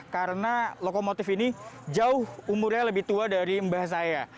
karena lokomotif ini jauh umurnya lebih tua dari mbah saya